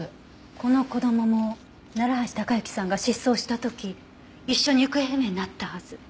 この子供も楢橋高行さんが失踪した時一緒に行方不明になったはず。